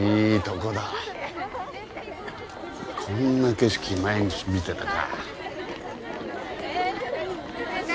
こんな景色毎日見てたか。